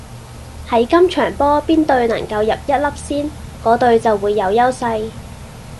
喺今場波邊隊能夠入一粒先，果隊就會有優勢